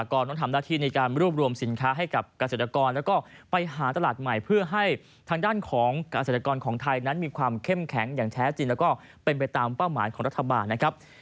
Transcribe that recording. ขอบคุณครับ